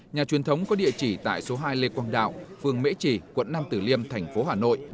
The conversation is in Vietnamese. nhà truyền thống có địa chỉ tại số hai lê quang đạo phường mễ trì quận năm tử liêm thành phố hà nội